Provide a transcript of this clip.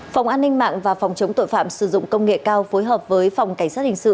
phòng an ninh mạng và phòng chống tội phạm sử dụng công nghệ cao phối hợp với phòng cảnh sát hình sự